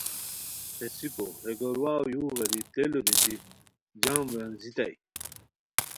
پیڅھیکو ہے گور واؤ یو غیری تیلو دیتی جام ورینݮییتائے